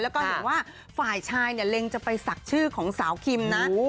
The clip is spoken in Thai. แล้วก็เห็นว่าฝ่ายชายเนี่ยเล็งจะไปศักดิ์ชื่อของสาวคิมนะ